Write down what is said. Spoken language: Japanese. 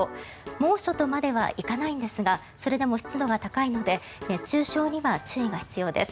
猛暑とまでは行かないんですがそれでも湿度が高いので熱中症には注意が必要です。